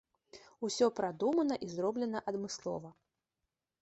Усё прадумана і зроблена адмыслова.